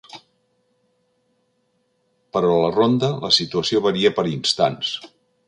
Però a la Ronda la situació varia per instants.